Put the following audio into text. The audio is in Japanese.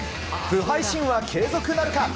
不敗神話継続なるか。